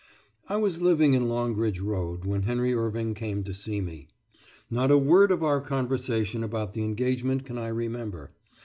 I was living in Longridge Road when Henry Irving came to see me. Not a word of our conversation about the engagement can I remember.